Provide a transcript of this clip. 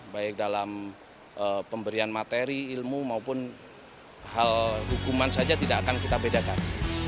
baik dalam pemberian materi ilmu maupun hal hukuman saja tidak akan kita bedakan